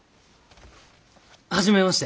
初めまして。